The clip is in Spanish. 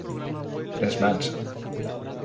Les Vans